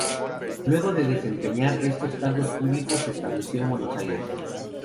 Luego de desempeñar estos cargos públicos se estableció en Buenos Aires.